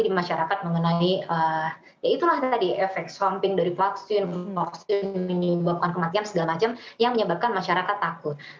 jadi masyarakat mengenai ya itulah tadi efek samping dari vaksin vaksin yang menyebabkan kematian segala macam yang menyebabkan masyarakat takut